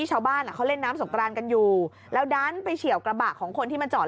ขวนแก้วเข็นฝนอยู่จนกระจก